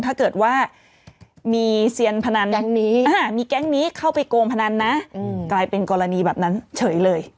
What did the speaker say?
ถ้าเกิดว่ามีเซียนพนันมีแก๊งนี้เข้าไปโกงพนันนะกลายเป็นกรณีแบบนั้นเฉยเลย